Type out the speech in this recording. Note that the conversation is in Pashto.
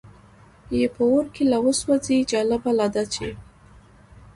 یې په اور کې وسوځي، جالبه لا دا چې.